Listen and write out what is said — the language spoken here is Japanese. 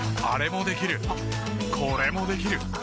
あれもできるこれもできる。